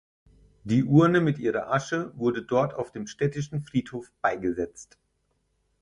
Die Urne mit ihrer Asche wurde dort auf dem städtischen Friedhof beigesetzt.